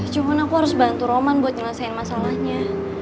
cuma aku harus bantu roman buat nyelesain masalahnya